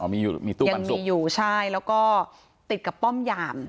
มีอยู่มีตัวยังมีอยู่ใช่แล้วก็ติดกับป้อมยาม